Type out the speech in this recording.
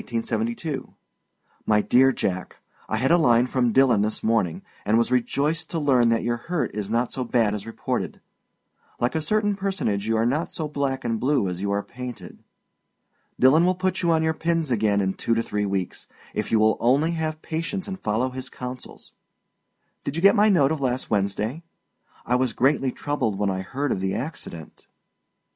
My Dear Jack: I had a line from Dillon this morning, and was rejoiced to learn that your hurt is not so bad as reported. Like a certain personage, you are not so black and blue as you are painted. Dillon will put you on your pins again in two to three weeks, if you will only have patience and follow his counsels. Did you get my note of last Wednesday? I was greatly troubled when I heard of the accident.